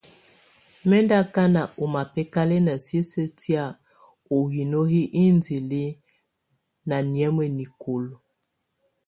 Mɛ̀ ndɔ̀ akana ɔ́ mabɛkalɛna sisiǝ́ tɛ̀á ú hino hi indili ná nɛ̀ámɛa nikulǝ.